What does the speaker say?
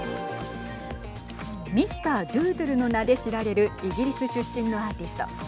ミスター・ドゥードゥルの名で知られるイギリス出身のアーティスト。